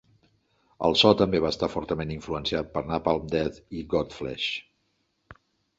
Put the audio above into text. El so també va estar fortament influenciat per Napalm Death i Godflesh.